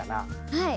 はい。